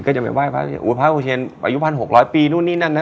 ก็จะไปไหว้พระอุเชนอายุ๑๖๐๐ปีนู่นนี่นั่นนะ